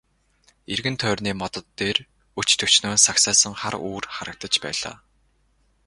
Эргэн тойрны модод дээр өч төчнөөн сагсайсан хар үүр харагдаж байлаа.